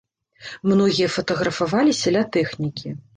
Многія фатаграфаваліся ля тэхнікі.